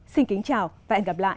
xin kính chào và hẹn gặp lại